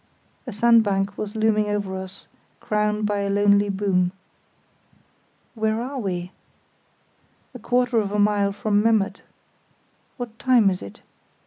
A sandbank was looming over us crowned by a lonely boom. "Where are we?" "A quarter of a mile from Memmert." "What time is it?"